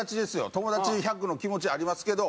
「友達」１００の気持ちはありますけど。